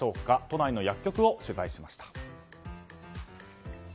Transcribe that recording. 都内の薬局を取材しました。